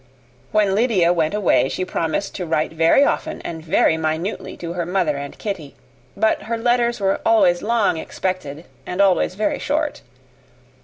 When Lydia went away she promised to write very often and very minutely to her mother and Kitty; but her letters were always long expected, and always very short.